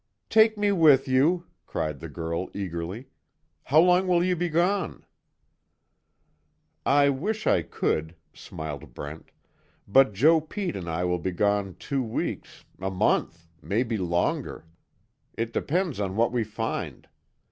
"Take me with you!" cried the girl, eagerly, "How long will you be gone?" "I wish I could," smiled Brent, "But Joe Pete and I will be gone two weeks a month maybe longer. It depends on what we find.